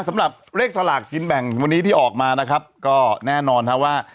สำหรับเลขสลากกินแบ่งวันนี้ที่ออกมานะครับก็แน่นอนครับว่า